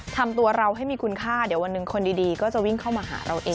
ทำตัวเราให้มีคุณค่าเดี๋ยววันหนึ่งคนดีก็จะวิ่งเข้ามาหาเราเอง